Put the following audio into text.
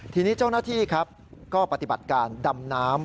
ทีนี้เจ้าหน้าที่ครับก็ปฏิบัติการดำน้ำ